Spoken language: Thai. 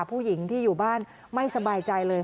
ผู้หญิงที่อยู่บ้านไม่สบายใจเลย